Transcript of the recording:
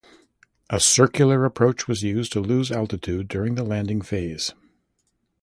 A circular approach was used to lose altitude during the landing phase.